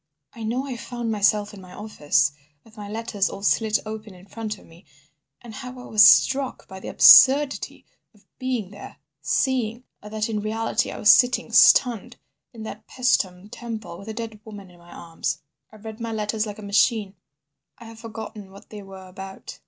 I know I found myself in my office, with my letters all slit open in front of me, and how I was struck by the absurdity of being there, seeing that in reality I was sitting, stunned, in that Paestum Temple with a dead woman in my arms. I read my letters like a machine. I have forgotten what they were about."